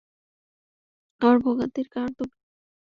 আমার ভোগান্তির কারণ তুমি।